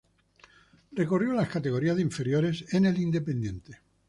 Recorrió las categorías de inferiores en el Independiente.